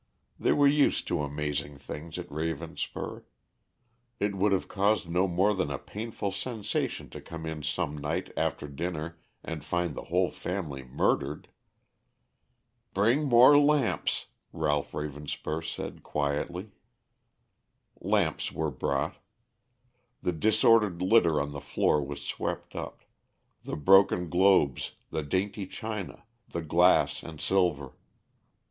They were used to amazing things at Ravenspur. It would have caused no more than a painful sensation to come in some night after dinner and find the whole family murdered. "Bring more lamps," Ralph Ravenspur said quietly. Lamps were brought. The disordered litter on the floor was swept up, the broken globes, the dainty china, the glass and silver.